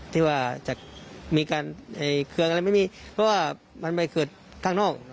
ที่ว่าจะมีการเครื่องอะไรไม่มีเพราะว่ามันไปเกิดข้างนอก